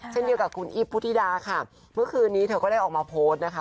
เช่นเดียวกับคุณอีฟพุทธิดาค่ะเมื่อคืนนี้เธอก็ได้ออกมาโพสต์นะคะ